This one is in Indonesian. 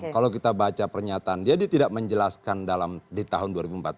kalau kita baca pernyataan dia dia tidak menjelaskan dalam di tahun dua ribu empat belas